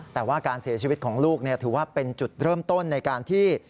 แต่ว่าการเสียชีวิตของลูกถือว่าเป็นจุดเริ่มต้นในการที่